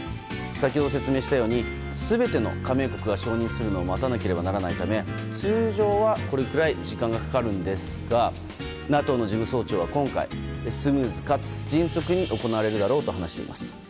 先ほど説明したように全ての加盟国が承認するのを待たなければならないため通常はこれぐらい時間がかかるんですがＮＡＴＯの事務総長は今回スムーズかつ迅速に行われるだろうと話しています。